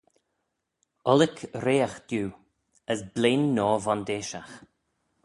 Ollick reagh diu as blein noa vondeishagh.